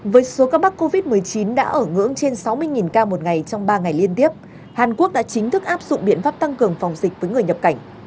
với số ca mắc covid một mươi chín đã ở ngưỡng trên sáu mươi ca một ngày trong ba ngày liên tiếp hàn quốc đã chính thức áp dụng biện pháp tăng cường phòng dịch với người nhập cảnh